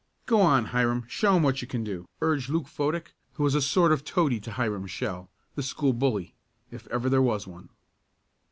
"Go on, Hiram, show 'em what you can do," urged Luke Fodick, who was a sort of toady to Hiram Shell, the school bully, if ever there was one.